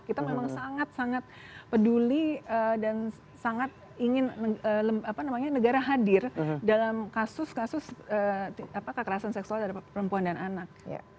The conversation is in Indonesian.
kita memang sangat sangat peduli dan sangat ingin negara hadir dalam kasus kasus kekerasan seksual terhadap perempuan dan anak